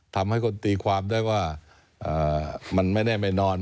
ทำให้คนตีความได้ว่ามันไม่แน่ไม่นอน